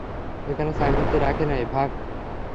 এখানো চাকরিতে রাখে নাই, ভাগ।